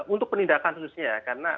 untuk penindakan khususnya ya karena